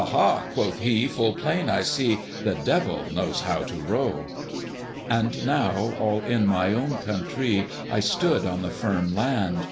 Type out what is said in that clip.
ha!" quoth he, "full plain I see, The Devil knows how to row." And now, all in my own countree, I stood on the firm land!